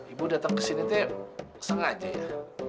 ibu datang ke sini tuh sengaja ya